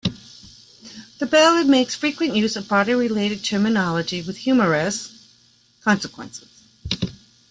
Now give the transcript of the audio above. The ballad makes frequent use of body-related terminology, with humorous consequences.